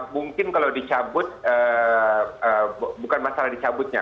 mungkin kalau dicabut bukan masalah dicabutnya